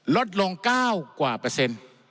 ลดลง๙กว่าเปอร์เซ็นต์